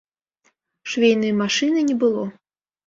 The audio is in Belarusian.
Швейнай машыны не было.